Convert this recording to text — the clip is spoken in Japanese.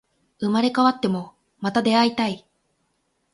生まれ変わっても、また出会いたい